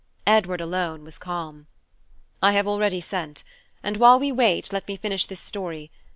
Edward alone was calm. "I have already sent, and while we wait, let me finish this story.